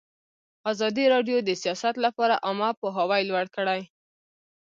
ازادي راډیو د سیاست لپاره عامه پوهاوي لوړ کړی.